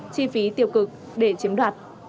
chi phí tiêu cực để chiếm đoạt